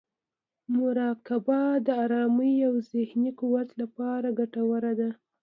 مراقبه د ارامۍ او ذهني قوت لپاره ګټوره ده.